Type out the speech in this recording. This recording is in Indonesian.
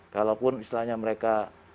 kalaupun istilahnya mereka